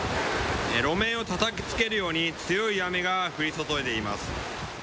路面をたたきつけるように強い雨が降り注いでいます。